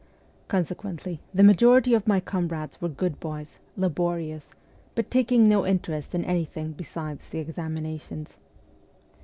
Consequently, the majority of my comrades were good boys, laborious, but taking no interest in anything besides the examinations.